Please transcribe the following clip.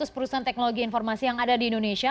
lima ratus perusahaan teknologi informasi yang ada di indonesia